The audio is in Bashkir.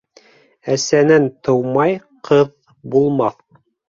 Әсәнән тыумай ҡыҙ булмаҫ.